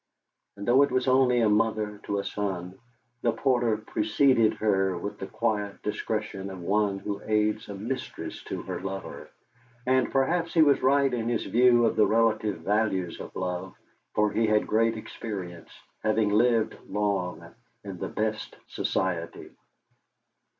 And though it was only a mother to a son, the porter preceded her with the quiet discretion of one who aids a mistress to her lover; and perhaps he was right in his view of the relative values of love, for he had great experience, having lived long in the best society.